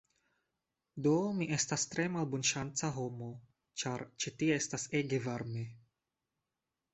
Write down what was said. Do mi estas tre malbonŝanca homo, ĉar ĉi tie estas ege varme